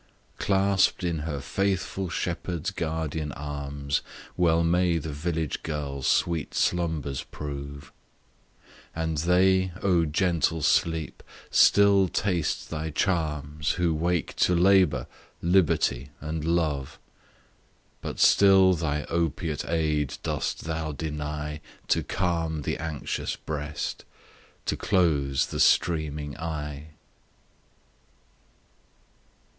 Clasp'd in her faithful shepherd's guardian arms, Well may the village girl sweet slumbers prove; And they, O gentle Sleep! still taste thy charms, Who wake to labour, liberty, and love. But still thy opiate aid dost thou deny To calm the anxious breast; to close the streaming eye.